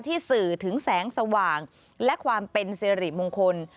ที่สื่อถึงแสงสว่างและความเป็นสิริมงคล